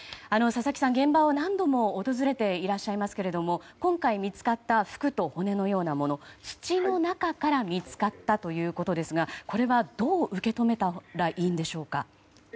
佐々木さん、現場を何度も訪れていらっしゃいますが今回、見つかった服と骨のようなもの土の中から見つかったということですがこれはどう受け止めたらいいんでしょうか。